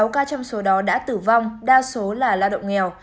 sáu ca trong số đó đã tử vong đa số là lao động nghèo